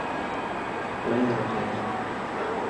خوله يې رپېده.